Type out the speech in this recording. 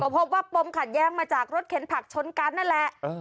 พบว่าปมขัดแย้งมาจากรถเข็นผักชนกันนั่นแหละ